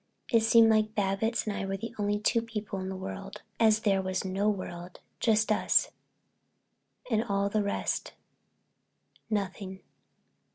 It seemed like Babbitts and I were the only two people in the whole world, as if there was no world, just us, and all the rest nothing.